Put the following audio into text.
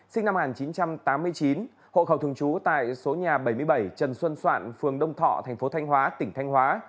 sinh năm một nghìn chín trăm tám mươi chín hộ khẩu thường trú tại số nhà bảy mươi bảy trần xuân soạn phường đông thọ thành phố thanh hóa tỉnh thanh hóa